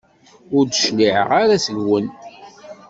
Ur d-cliɛeɣ ara seg-wen.